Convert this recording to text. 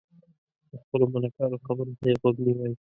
د خپلو ملکانو خبرو ته یې غوږ نیوی.